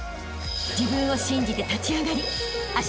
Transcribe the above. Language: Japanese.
［自分を信じて立ち上がりあしたへ